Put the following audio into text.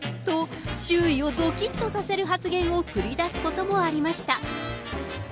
と、周囲をどきっとさせる発言を繰り出すこともありました。